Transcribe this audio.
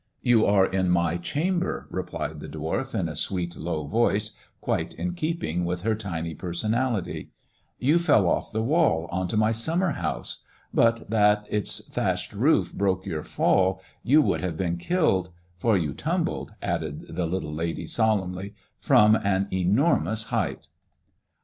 You are in my chamber,'* replied the dwarf in a low voice, quite in keeping with her tiny perso: " You fell ofE the wall on to my summer house ; bu its thatched roof broke your fall, you would hav« killed ; for you tumbled," added the little lady soL "from an enormous height."